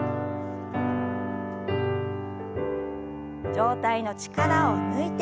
上体の力を抜いて前。